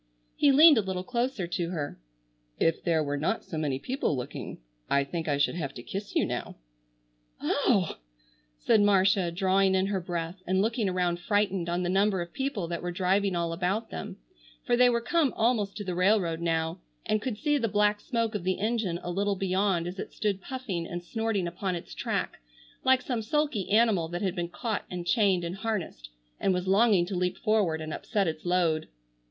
He leaned a little closer to her. "If there were not so many people looking I think I should have to kiss you now." "Oh h h h!" said Marcia drawing in her breath and looking around frightened on the number of people that were driving all about them, for they were come almost to the railroad now, and could see the black smoke of the engine a little beyond as it stood puffing and snorting upon its track like some sulky animal that had been caught and chained and harnessed and was longing to leap forward and upset its load.